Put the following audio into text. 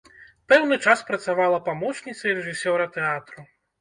Пэўны час працавала памочніцай рэжысёра тэатру.